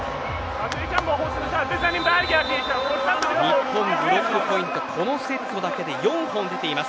日本、ブロックポイントこのセットだけで４本出ています。